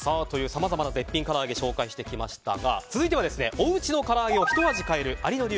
さまざまな絶品から揚げを紹介してきましたが続いてはおうちのから揚げをひと味変える有野流